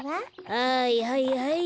はいはいはい。